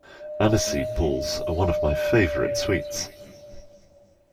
Aniseed balls are one of my favourite sweets